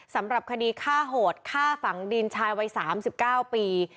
สำหรับคดีฆ่าโหดฆ่าฝังดินชายวัย๓๙ปี